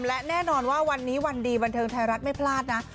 และแน่นอนว่าวันนี้วันดีบันเทิงไทยรัฐไม่พลาดนะ